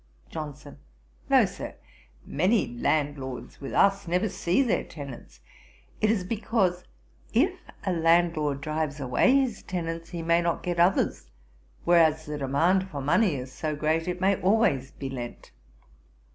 JOHNSON. 'No, Sir; many landlords with us never see their tenants. It is because if a landlord drives away his tenants, he may not get others; whereas the demand for money is so great, it may always be lent.'